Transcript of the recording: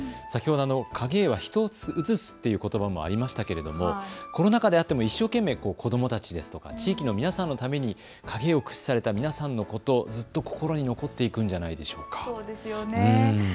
先ほど影絵は人を映すということばもありましたけれども、コロナ禍であっても、一生懸命子どもたちですとか、地域の皆さんのために影絵を駆使された皆さんのこと、ずっと心に残っていくんじゃないでしょうか。